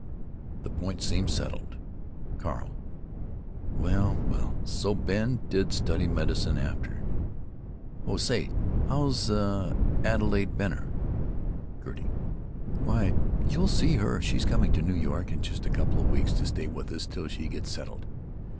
The point seemed settled. Carl: "Well, well, so Ben did study medicine, after——Oh, say, how's Adelaide Benner?" Gertie: "Why, you'll see her! She's coming to New York in just a couple of weeks to stay with us till she gets settled.